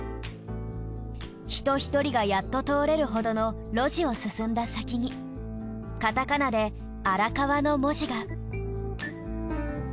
人ひとりがやっと通れるほどの路地を進んだ先にカタカナでアラカワの文字が。